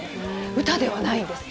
歌ではないんです。